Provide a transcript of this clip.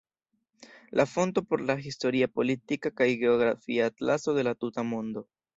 La fonto por la "Historia, Politika kaj Geografia Atlaso de la tuta mondo.